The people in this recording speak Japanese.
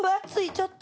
ちょっと。